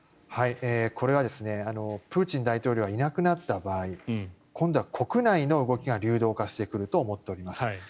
これはプーチン大統領がいなくなった場合今度は国内の動きが流動化してくると思っております。